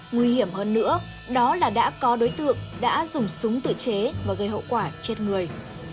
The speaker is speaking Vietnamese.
nguy hiểm hơn nữa đó là đã có đối tượng đã dùng súng tự chế và gây hậu quả chết người